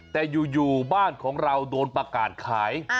แต่อยู่บ้านของเราโดนประกาศขาย